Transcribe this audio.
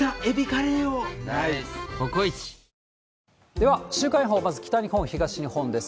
では、週間予報、まず北日本、東日本です。